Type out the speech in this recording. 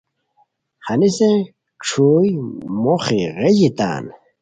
ہنیسن چھوئی موخی غیژی تان